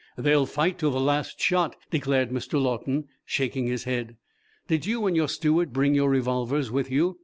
"They'll fight to the last shot," declared Mr. Lawton, shaking his head. "Did you and your steward bring your revolvers with you?"